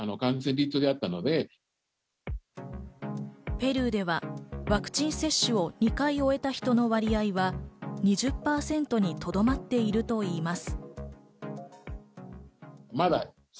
ペルーではワクチン接種を２回終えた人の割合は２０％にとどまっているといいます。